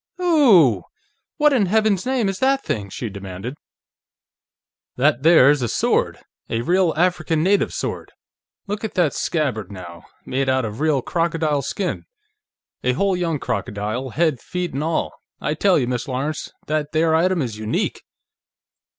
"Ooooooh! What in heaven's name is that thing?" she demanded. "That there's a sword. A real African native sword. Look at that scabbard, now; made out of real crocodile skin. A whole young crocodile, head, feet, an' all. I tell you, Miss Lawrence, that there item is unique!"